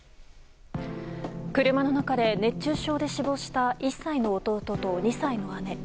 車の中で熱中症で死亡した１歳の弟と２歳の姉。